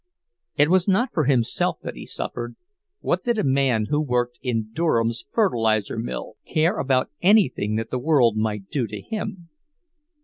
It was not for himself that he suffered—what did a man who worked in Durham's fertilizer mill care about anything that the world might do to him!